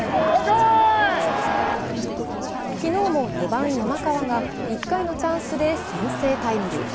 昨日も４番・山川が１回のチャンスで先制タイムリー。